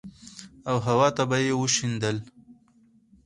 او هوا ته به يې وشيندل.